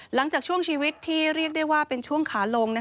หลังจากช่วงชีวิตที่เรียกได้ว่าเป็นช่วงขาลง